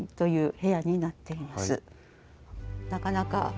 なかなか。